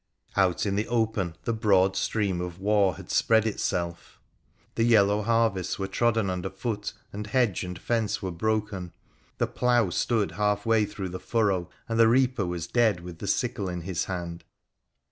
Out in the open the broad stream of war had spread itself. The yellow harvests were trodden under foot, and hedge and fence were broken. The plough stood halfway through the furrow, and the reaper was dead with the sickle in his hand.